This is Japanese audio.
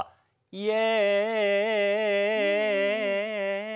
「イエ」。